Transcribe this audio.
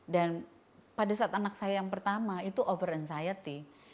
dan pada saat anak saya yang pertama itu over anxiety